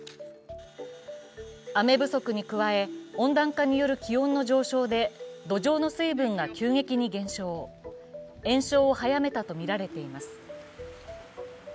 雨不足に加え、温暖化による気温の上昇で土壌の水分が急激に減少、延焼を早めたとみられています。